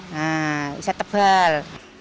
nah bisa tebal